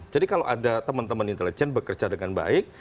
jadi kalau ada teman teman intelijen bekerja dengan baik